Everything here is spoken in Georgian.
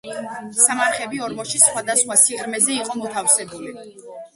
სამარხები ორმოში სხვადასხვა სიღრმეზე იყო მოთავსებული.